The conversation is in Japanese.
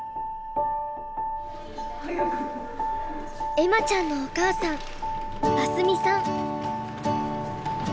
恵麻ちゃんのお母さん眞澄さん。